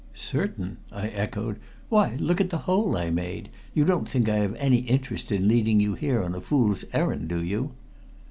"Certain?" I echoed. "Why, look at the hole I made. You don't think I have any interest in leading you here on a fool's errand, do you?"